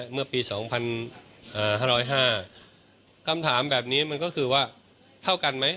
เมื่อปีสองพันเอ่อห้าร้อยห้าคำถามแบบนี้มันก็คือว่าเท่ากันไหม